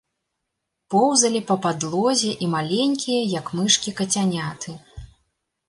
Поўзалі па падлозе і маленькія, як мышкі, кацяняты.